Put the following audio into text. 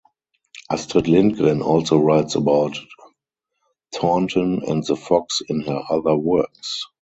Astrid Lindgren also writes about Tomten and the Fox in her other works.